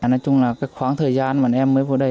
nói chung là khoảng thời gian mà em mới vô đây